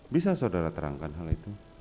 bisa saudara terangkan hal itu